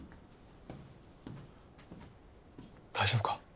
大丈夫か？